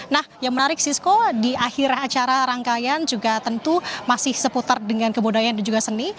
nah yang menarik sisko di akhir acara rangkaian juga tentu masih seputar dengan kebudayaan dan juga seni